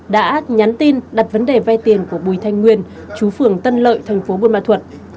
đã nhắn tin đặt vấn đề vay tiền của bùi thanh nguyên chú phường tân lợi thành phố buôn ma thuật